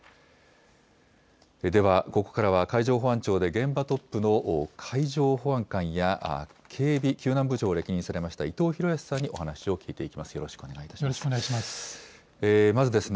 ではここからは、海上保安庁で現場トップの海上保安監や警備救難部長を歴任されました、伊藤裕康さんにお話を聞いていきます。